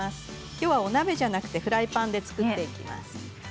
きょうはお鍋ではなくてフライパンで作っていきます。